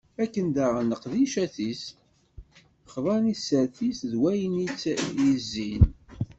Akken daɣen, leqdicat-is, xḍan i tsertit d wayen i tt-id-yezzin.